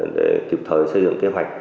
để kịp thời xây dựng kế hoạch